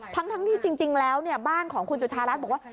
ทั้งที่จริงแล้วบ้านของคุณจุธารัฐบอกว่า